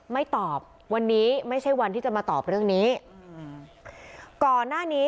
ไม่ตอบวันนี้ไม่ใช่วันที่จะมาตอบเรื่องนี้